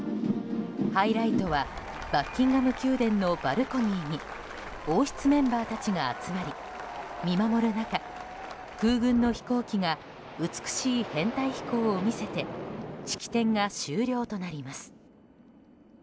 ハイライトはバッキンガム宮殿のバルコニーに王室メンバ−たちが集まり見守る中空軍の飛行機が美しい編隊飛行を見せて式典が終了となります。